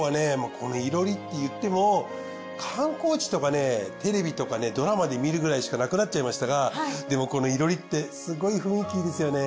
このいろりっていっても観光地とかねテレビとかねドラマで見るくらいしかなくなっちゃいましたがでもこのいろりってすごい雰囲気いいですよね。